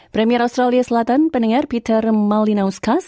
premier australia selatan pendengar peter malinauskas